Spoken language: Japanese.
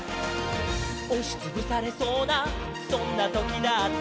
「おしつぶされそうなそんなときだって」